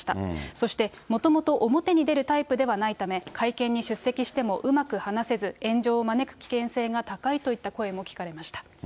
そしてもともと表に出るタイプではないため、会見に出席してもうまく話せず、炎上を招く危険性が高いといった声も聞かれました。